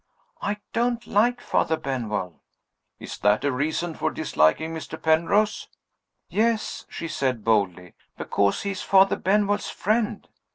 "I don't like Father Benwell." "Is that a reason for disliking Mr. Penrose?" "Yes," she said, boldly, "because he is Father Benwell's friend."